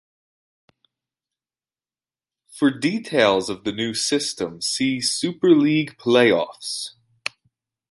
For details of the new system, see Super League play-offs.